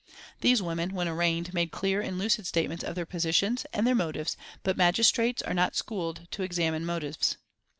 These women, when arraigned, made clear and lucid statements of their positions and their motives, but magistrates are not schooled to examine motives.